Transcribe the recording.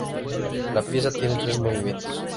La pieza tiene tres movimientos.